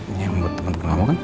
ini yang buat temen temen kamu kan